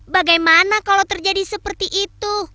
bagaimana kalau terjadi seperti itu